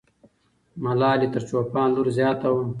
ملالۍ تر چوپان لور زیاته وه.